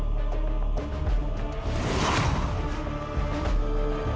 nggak ada yang nunggu